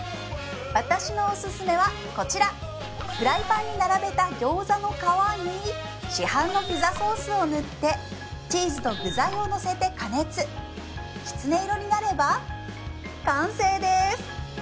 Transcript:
私のオススメはこちらフライパンに並べた餃子の皮に市販のピザソースを塗ってチーズと具材をのせて加熱きつね色になれば完成です！